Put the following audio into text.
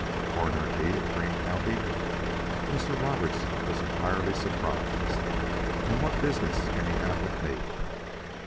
"Coroner D of Greene County!" Mr. Roberts was entirely surprised. "And what business can he have with me?"